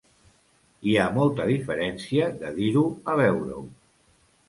Hi ha molta diferència de dir-ho a veure-ho.